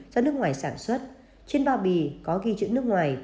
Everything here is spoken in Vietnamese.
do nước ngoài sản xuất trên bao bì có ghi chữ nước ngoài